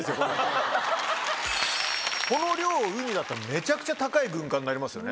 この量うにだったらめちゃくちゃ高い軍艦になりますよね